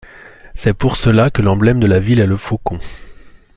C'est pour cela que l'emblème de la ville est le faucon.